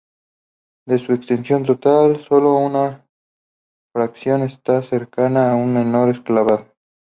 De su extensión total sólo una fracción está cercada y una menor excavada.